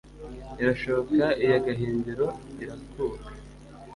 irashoka iya gahindiro irakuka